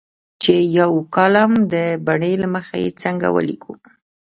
چې یو کالم د بڼې له مخې څنګه ولیکو.